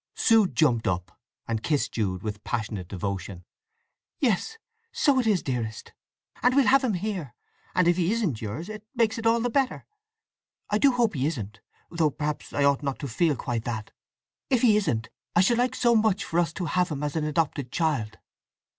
Sue jumped up and kissed Jude with passionate devotion. "Yes—so it is, dearest! And we'll have him here! And if he isn't yours it makes it all the better. I do hope he isn't—though perhaps I ought not to feel quite that! If he isn't, I should like so much for us to have him as an adopted child!"